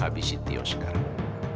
habiskan tio sekarang